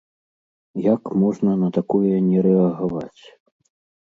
Як можна на такое не рэагаваць?